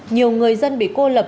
nhiều người dân bị cô lập